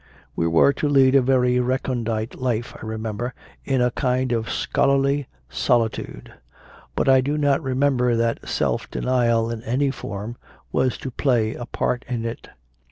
We were to lead a very recondite life, I remember, in a kind of scholarly solitude; but I do not remember that self denial in any form was to play a part in it.